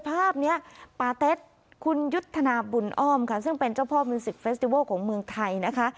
ภาพนี้ปาเต็ดคุณยุทธนาบุญอ้อมค่ะซึ่งเป็นเจ้าพ่อมิวสิกเฟสติโวลของเมืองไทยนะคะ